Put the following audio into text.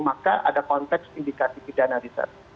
maka ada konteks indikasi pidana di sana